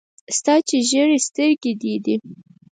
ستا چي ژېري سترګي دې دي .